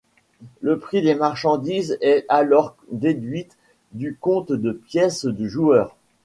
Le prix des marchandises est alors déduite du compte de pièces du joueur.